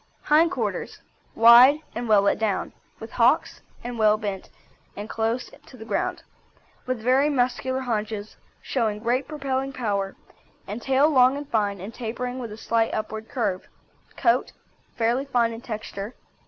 HIND QUARTERS Wide and well let down, with hocks well bent and close to the ground, with very muscular haunches, showing great propelling power, and tail long and fine and tapering with a slight upward curve. COAT Fairly fine in texture.